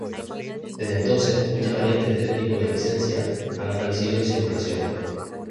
Desde entonces, muchas variantes de este tipo de licencia han aparecido en circulación.